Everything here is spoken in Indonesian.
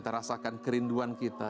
merasakan kerinduan kita